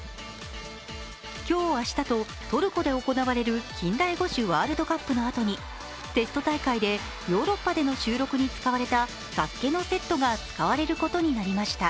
今日明日と、トルコで行われる近代五種ワールドカップのあとにテスト大会でヨーロッパでの収録に使われた「ＳＡＳＵＫＥ」のセットが使われることになりました。